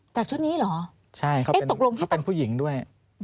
จากชุดนี้เหรอตกลงที่ต่อใช่เขาเป็นผู้หญิงด้วย